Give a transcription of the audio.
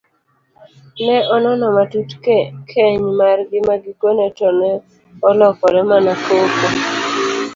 Ne onono matut keny margi magikone to ne olokore mana koko.